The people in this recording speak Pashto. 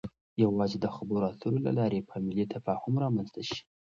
يوازې د خبرو اترو له لارې به ملی تفاهم رامنځته شي.